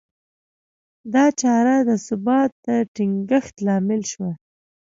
دا چاره د ثبات د ټینګښت لامل شوه.